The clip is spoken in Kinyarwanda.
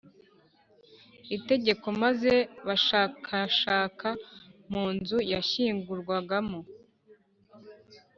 Itegeko maze bashakashaka mu nzu yashyingurwagamo